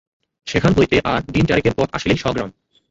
সেখান হইতে আর দিন-চারেকের পথ আসিলেই স্বগ্রাম।